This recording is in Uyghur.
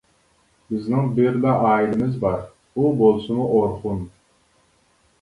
بىزنىڭ بىرلا ئائىلىمىز بار، ئۇ بولسىمۇ ئورخۇن!